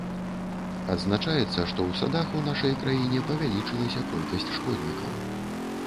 Адзначаецца, што ў садах у нашай краіне павялічылася колькасць шкоднікаў.